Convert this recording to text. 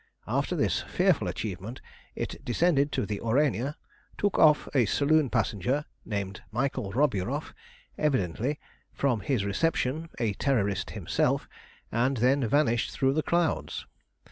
After this fearful achievement it descended to the Aurania, took off a saloon passenger named Michael Roburoff, evidently, from his reception, a Terrorist himself, and then vanished through the clouds.